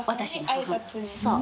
そう。